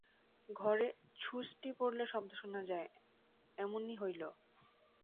ঘরে ছুঁচটি পড়িলে শব্দ শোনা যায়, এমনি হইল।